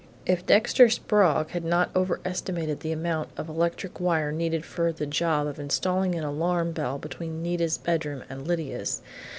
If Dexter Sprague had not overestimated the amount of electric wire needed for the job of installing an alarm bell between Nita's bedroom and Lydia's....